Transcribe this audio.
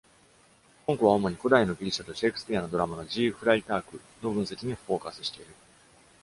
本稿は、主に古代のギリシアとシェークスピアのドラマの G ・フライタークの分析にフォーカスしている。